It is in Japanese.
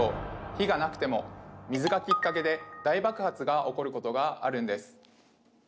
火がなくても水がきっかけで大爆発が起こることがあるんです！